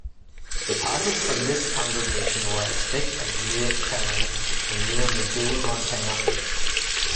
Deposits from this congregation were as thick as near Chelan and near Missoula, Montana.